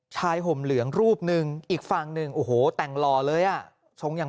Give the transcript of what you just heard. ห่มเหลืองรูปหนึ่งอีกฝั่งหนึ่งโอ้โหแต่งหล่อเลยอ่ะชงอย่าง